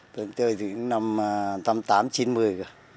tôi chơi từ năm tám mươi tám chín mươi rồi